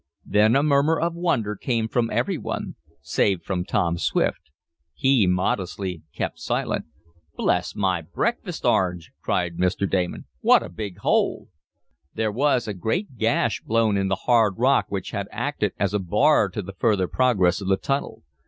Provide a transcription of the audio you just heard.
Then a murmur of wonder came from every one, save from Tom Swift. He, modestly, kept silent. "Bless my breakfast orange!" cried Mr. Damon. "What a big hole!" There was a great gash blown in the hard rock which had acted as a bar to the further progress of the tunnel.